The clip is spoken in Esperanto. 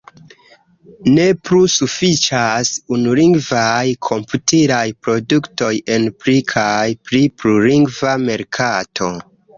Ne plu sufiĉas unulingvaj komputilaj produktoj en pli kaj pli plurlingva merkato.